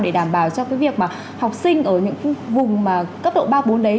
để đảm bảo cho cái việc mà học sinh ở những vùng mà cấp độ ba bốn đấy